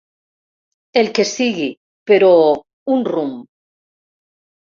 El que sigui, però un rumb.